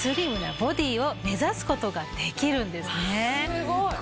すごい！